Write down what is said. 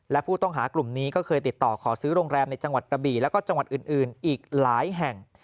และผู้ต้องหากลุ่มนี้ก็เคยติดต่อขอซื้อโรงแรมในจังหวัดกระบี่แล้วก็จังหวัดอื่นอีกหลายแห่ง